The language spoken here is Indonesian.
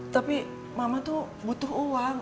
tapi mama tuh butuh uang